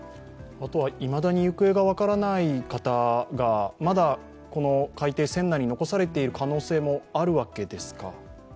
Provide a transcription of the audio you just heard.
いまだに行方が分からない方が、まだ海底・船内に残されている可能性もあるわけですか？